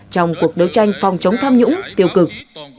trong cuộc đấu tranh phòng chống tham nhũng tiêu cực